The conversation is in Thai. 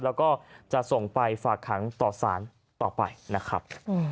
แล้วก็จะส่งไปฝากขังต่อสารต่อไปนะครับ